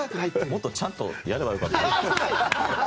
もっとちゃんとやればよかったな。